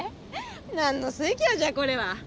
何の酔興じゃこれは。